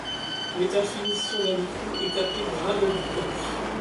L'état de finition d'un écrou est appelé grade du produit.